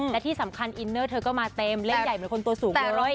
และที่สำคัญอินเนอร์เธอก็มาเต็มเล่นใหญ่เหมือนคนตัวสูงเลย